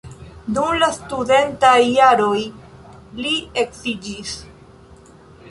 Dum la studentaj jaroj li edziĝis.